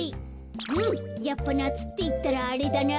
うんやっぱなつっていったらあれだな。